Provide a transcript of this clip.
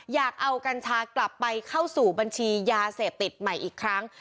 อยากเอากัญชากลับไปเข้าสู่บัญชียาเสพติดใหม่อีกครั้ง